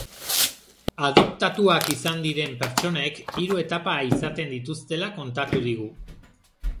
Adoptatuak izan diren pertsonek hiru etapa izaten dituztela kontatu digu.